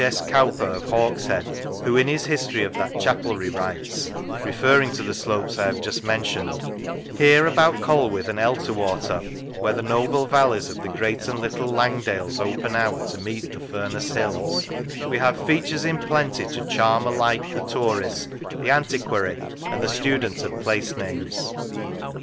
S. Cowper of Hawkshead, who in his history of that chapelry writes, referring to the slopes I have just mentioned: " Here about Colwith and Elterwater, where the noble valleys of the Great and Little Langdales open out to meet the Furness hills, we have features in plenty to charm alike the tourist, the antiquary, and the student of place names.